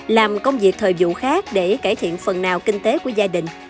làm công việc thời vụ khác để cải thiện phần nào kinh tế của gia đình